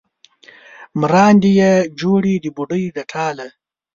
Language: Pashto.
مراندې یې جوړې د بوډۍ د ټاله